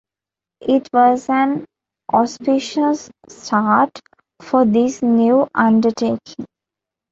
It was an auspicious start for this new undertaking.